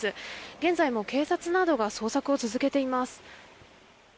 現在も警察などが捜索を進めています。